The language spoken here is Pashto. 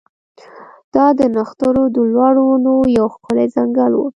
دا د نښترو د لوړو ونو یو ښکلی ځنګل و